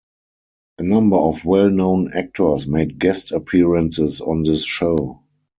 A number of well-known actors made guest appearances on this show.